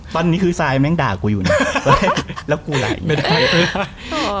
ตอนนี้คือซายแม่งด่ากูอยู่นะแล้วกูไหลไม่ได้